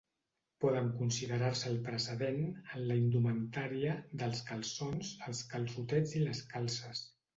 Poden considerar-se el precedent, en la indumentària, dels calçons, els calçotets i les calces.